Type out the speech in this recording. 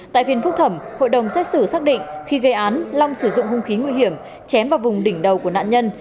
tại phiên phúc thẩm hội đồng xét xử xác định khi gây án long sử dụng hung khí nguy hiểm chém vào vùng đỉnh đầu của nạn nhân